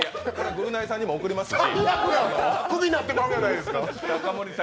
「ぐるナイ」さんにも送りますし。